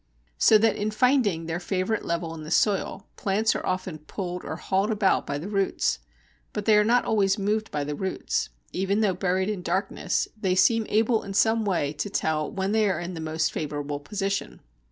So that in finding their favourite level in the soil, plants are often pulled or hauled about by the roots. But they are not always moved by the roots. Even though buried in darkness, they seem able in some way to tell when they are in the most favourable position.